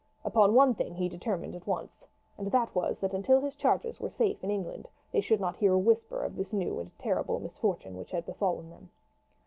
Upon one thing he determined at once, and that was, that until his charges were safely in England they should not hear a whisper of this new and terrible misfortune which had befallen them.